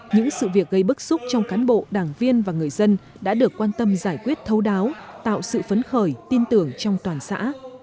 những sự việc gây bức xúc trong cán bộ đảng viên và người dân đã được quan tâm giải quyết thấu đáo tạo sự phấn khởi tin tưởng trong toàn xã